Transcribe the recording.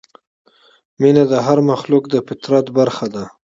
مینه د هر مخلوق د فطرت برخه ده.